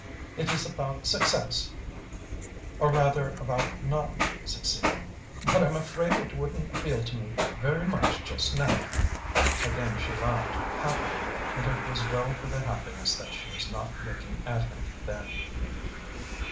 It is about success, or rather about not succeeding. But I'm afraid it wouldn't appeal to me very much just now," again she laughed, happily, and it was well for the happiness that she was not looking at him then.